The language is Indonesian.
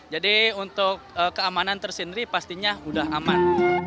jadi untuk keamanan tersendiri pastinya udah aman